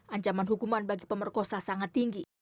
ancaman hukuman bagi pemerkosa sangat tinggi